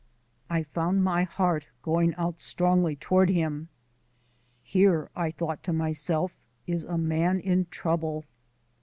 I found my heart going out strongly toward him. "Here," I thought to myself, "is a man in trouble."